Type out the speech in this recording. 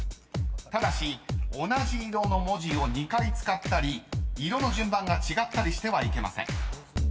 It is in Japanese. ［ただし同じ色の文字を２回使ったり色の順番が違ったりしてはいけません］